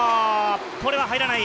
これは入らない。